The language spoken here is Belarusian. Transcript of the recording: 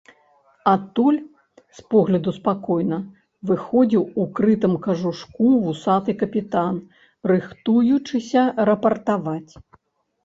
Адтуль, з погляду спакойна, выходзіў у крытым кажушку вусаты капітан, рыхтуючыся рапартаваць.